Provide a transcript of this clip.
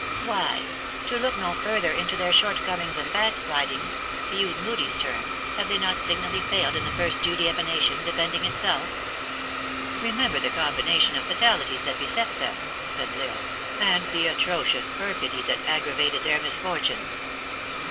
" Why, to look no further into their short comings and back slidings," to use Moodie s terms, have they not signally failed in the" first duty of a nation, de fending itself?" " Remember the combination of fatalities that beset them," said L Isle, " and the atrocious perfidy that aggravated their misfortunes.